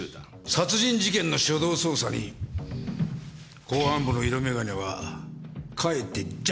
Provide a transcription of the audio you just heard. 殺人事件の初動捜査に公安部の色眼鏡はかえって邪魔になりますね。